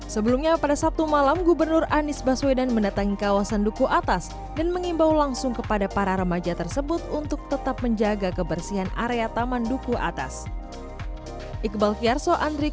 sebelumnya pada sabtu malam gubernur anies baswedan mendatangi kawasan duku atas dan mengimbau langsung kepada para remaja tersebut untuk tetap menjaga kebersihan area taman duku atas